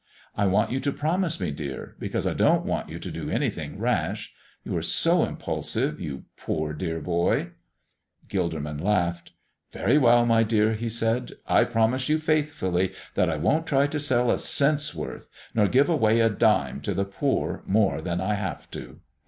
I want you to promise me, dear, because I don't want you to do anything rash. You are so impulsive you poor, dear boy." Gilderman laughed. "Very well, my dear," he said; "I promise you faithfully that I won't try to sell a cent's worth, nor give away a dime to the poor more than I have to."